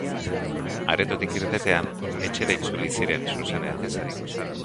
Aretotik irtetean, etxera itzuli ziren zuzenean.